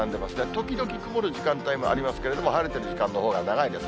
時々曇る時間帯もありますけれども、晴れてる時間のほうが長いです。